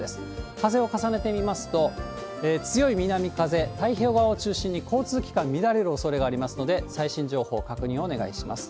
風を重ねてみますと、強い南風、太平洋側を中心に交通機関乱れるおそれがありますので、最新情報確認をお願いします。